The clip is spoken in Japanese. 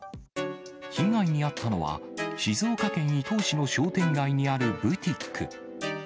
被害に遭ったのは、静岡県伊東市の商店街にあるブティック。